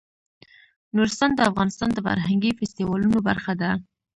نورستان د افغانستان د فرهنګي فستیوالونو برخه ده.